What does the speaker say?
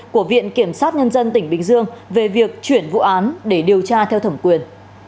của viện kiểm sát nhân dân tỉnh bình dương về việc chuyển vụ án để điều tra theo thẩm quyền